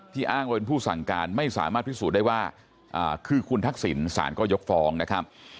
อ้างว่าเป็นผู้สั่งการไม่สามารถพิสูจน์ได้ว่าคือคุณทักษิณสารก็ยกฟ้องนะครับ